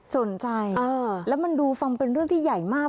สนใจแล้วมันดูฟังเป็นเรื่องที่ใหญ่มาก